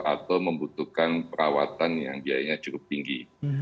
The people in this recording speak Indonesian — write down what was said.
atau membutuhkan perawatan yang biayanya cukup tinggi